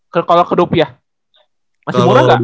kalo ke dopia masih murah gak